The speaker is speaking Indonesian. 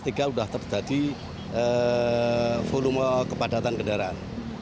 sejak itu sudah terjadi volume kepadatan kendaraan